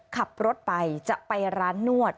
ขับรถไปจะไปร้านนวด